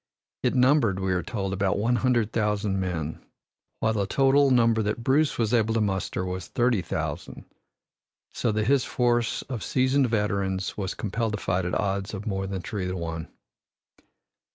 It numbered, we are told, about one hundred thousand men, while the total number that Bruce was able to muster was thirty thousand, so that his force of seasoned veterans was compelled to fight at odds of more than three to one.